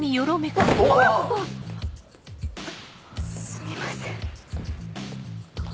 すみません。